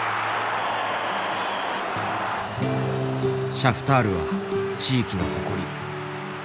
「シャフタールは地域の誇り」。